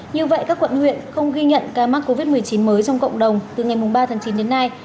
như vậy các quận huyện không ghi nhận ca mắc covid một mươi chín mới trong cộng đồng từ ngày ba tháng chín đến nay